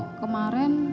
kalau kemarin saya sama om